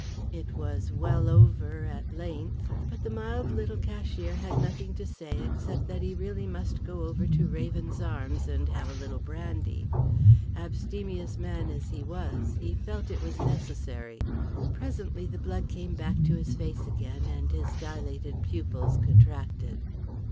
It was well over at length, but the mild little cashier had nothing to say except that he really must go over to the Raven's Arms and have a little brandy. Abstemious man as he was, he felt it was necessary. Presently the blood came back to his face again, and his dilated pupils contracted.